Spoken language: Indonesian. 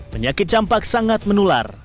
penyakit campak sangat menular